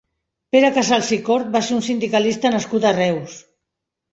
Pere Casals i Cort va ser un sindicalista nascut a Reus.